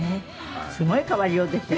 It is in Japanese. すごい変わりようですよ